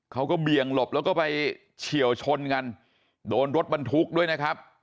เบี่ยงหลบแล้วก็ไปเฉียวชนกันโดนรถบรรทุกด้วยนะครับ